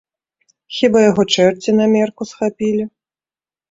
Хіба яго чэрці на мерку схапілі?